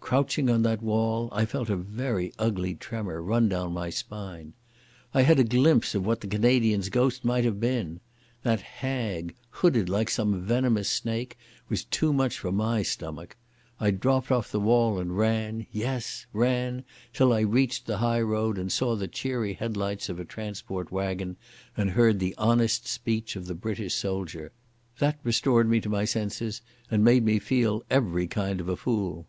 Crouching on that wall, I felt a very ugly tremor run down my spine. I had a glimpse of what the Canadian's ghost might have been. That hag, hooded like some venomous snake, was too much for my stomach. I dropped off the wall and ran—yes, ran till I reached the highroad and saw the cheery headlights of a transport wagon, and heard the honest speech of the British soldier. That restored me to my senses, and made me feel every kind of a fool.